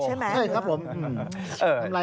เหมือนปลาดุกใช่ไหม